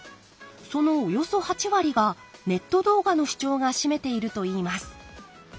そのおよそ８割がネット動画の視聴が占めているといいます。